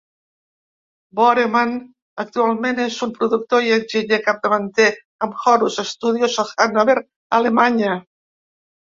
Bornemann actualment és un productor i enginyer capdavanter amb Horus Studios a Hanover (Alemanya).